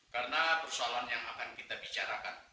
karena persoalan yang akan kita bicarakan